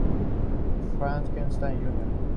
Frankenstein Jr.